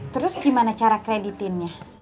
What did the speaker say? terus gimana cara kreditinnya